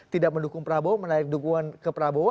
tidak mendukung prabowo menarik dukungan ke prabowo